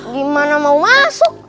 gimana mau masuk